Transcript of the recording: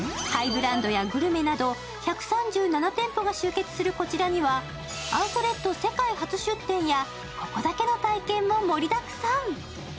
ハイブランドやグルメなど１３７店舗が集結するこちらにはアウトレット世界初出店やここだけの体験も盛りだくさん。